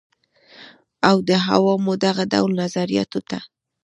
او د عوامو دغه ډول نظریاتو ته